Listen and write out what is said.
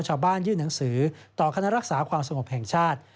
ชาวบ้านยื่นหนังสือต่อคณรักษาความสมบัติแห่งชาติ